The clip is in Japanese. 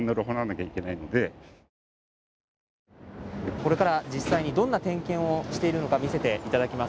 これから実際にどんな点検をしているのか、見せていただきます。